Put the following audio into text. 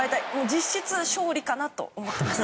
実質勝利かなと思っています！